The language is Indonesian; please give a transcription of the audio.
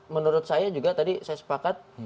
menurut saya juga tadi saya sepakat